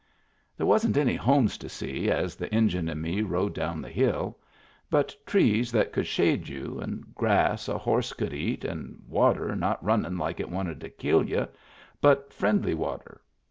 There wasn't any homes to see as the Injun and me rode down the hill. But trees that could shade you, and grass a horse could eat, and water not runnin' like it wanted to kill you, but friendly water.